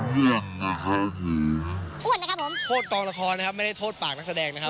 อ้วนนะครับผมโทษกองละครนะครับไม่ได้โทษปากนักแสดงนะครับ